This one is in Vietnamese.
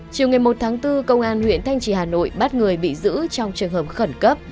chiều ngày một tháng bốn công an huyện thanh trì hà nội bắt người bị giữ trong trường hợp khẩn cấp